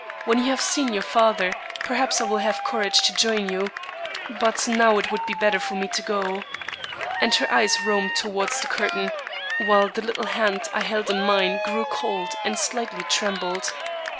When you have seen your father, perhaps I will have courage to join you; but now it would be better for me to go." And her eyes roamed toward the curtain, while the little hand I held in mine grew cold and slightly trembled.